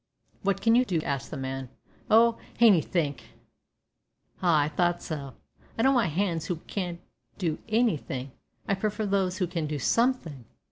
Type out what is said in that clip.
"What can you do?" asked the man. "Oh! hanythink." "Ah, I thought so; I don't want hands who can do anything, I prefer those who can do something."